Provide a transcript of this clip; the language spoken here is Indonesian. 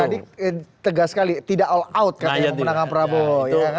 tadi tegas sekali tidak all out katanya memenangkan prabowo